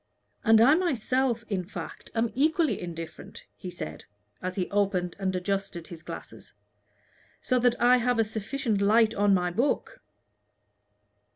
"And I myself, in fact, am equally indifferent," he said, as he opened and adjusted his glasses, "so that I have a sufficient light on my book."